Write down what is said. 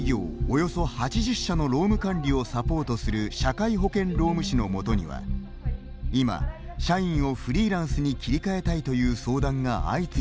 およそ８０社の労務管理をサポートする社会保険労務士のもとには今社員をフリーランスに切り替えたいという相談が相次いでいます。